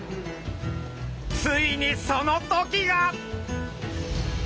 ついにその時が！